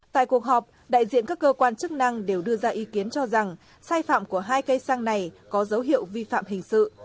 tại cuộc họp đại diện các cơ quan chức năng đều đưa ra ý kiến cho rằng sai phạm của hai cây xăng này có dấu hiệu vi phạm hình sự